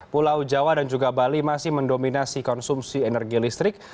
pulau jawa dan juga bali masih mendominasi konsumsi energi listrik